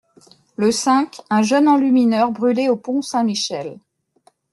Le cinq, un jeune enlumineur brûlé au pont Saint-Michel.